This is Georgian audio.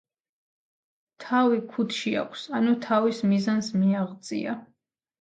თავი ქუდში აქვს - ანუ თავის მიზანს მიაღწია.